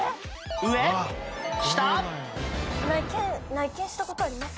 内見した事あります？